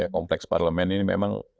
kompleks parlemen ini memang